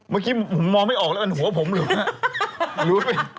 ไม่คิดว่ามองไม่ออกหัวตัวผมหรือ